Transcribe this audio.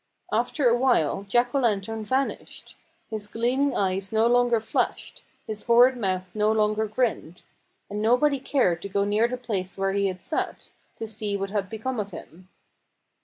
After a while Jack O'Lantern vanished. His gleaming eyes no longer flashed, his horrid mouth no longer grinned. And nobody cared to go near the place where he had sat, to see what had become of him.